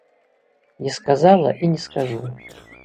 Не сказала і не скажу.